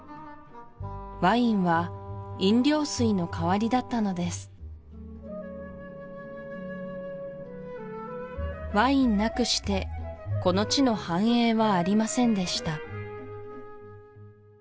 ワインは飲料水の代わりだったのですワインなくしてこの地の繁栄はありませんでした